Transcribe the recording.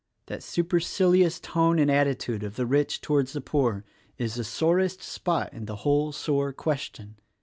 That supercilious tone and attitude of the rich towards the poor is the sorest spot in the whole sore question.